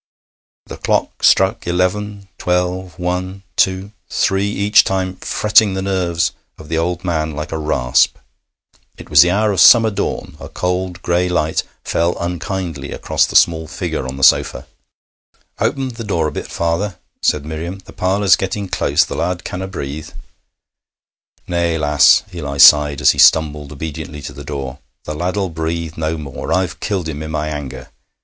The clock struck eleven, twelve, one, two, three, each time fretting the nerves of the old man like a rasp. It was the hour of summer dawn. A cold gray light fell unkindly across the small figure on the sofa. 'Open th' door a bit, father,' said Miriam. 'This parlour's gettin' close; th' lad canna breathe.' 'Nay, lass,' Eli sighed, as he stumbled obediently to the door. 'The lad'll breathe no more. I've killed him i' my anger.'